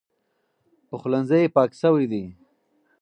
پخلنځی پاک شوی دی.